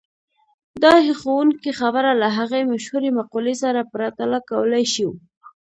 دا هيښوونکې خبره له هغې مشهورې مقولې سره پرتله کولای شو.